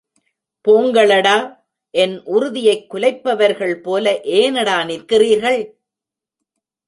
போங்களடா என் உறுதியைக் குலைப்பவர்கள் போல ஏனடா நிற்கிறீர்கள்?